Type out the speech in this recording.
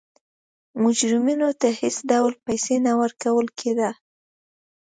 مجرمینو ته هېڅ ډول پیسې نه ورکول کېده.